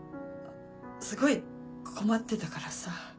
すごい困ってたからさ。